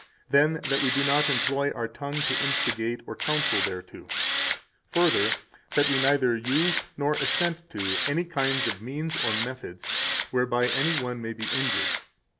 Then, that we do not employ our tongue to instigate or counsel thereto. Further, that we neither use nor assent to any kind of means or methods whereby any one may be injured.